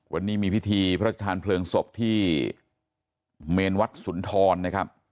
วันนี้มีพิธีพระราชทานเพลิงศพที่เมนวัดสุนทรนะครับ